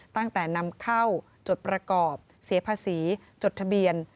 ตั้งแต่นำเข้าจดประกอบเสียภาษีจดทะเบียน